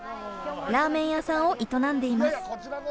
ラーメン屋さんを営んでいます。